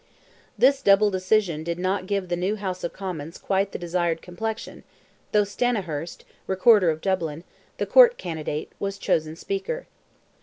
This double decision did not give the new House of Commons quite the desired complexion, though Stanihurst, Recorder of Dublin, the Court candidate, was chosen Speaker.